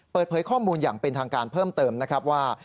เปิดเผยข้อมูลอย่างเป็นทางการเพิ่มเติมนะครับว่า